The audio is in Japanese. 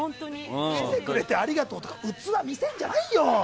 来てくれてありがとうとか器を見せるんじゃないよ！